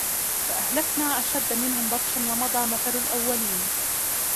فأهلكنا أشد منهم بطشا ومضى مثل الأولين